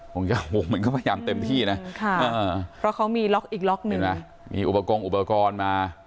โกงเยับโหมันก็พยายามเต็มที่นะ